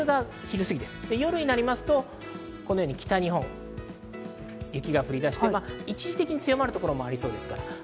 夜になりますと北日本、雪が降り出して一時的に強まるところもありそうです。